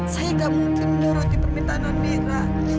saya gak mungkin menuruti permintaan non mira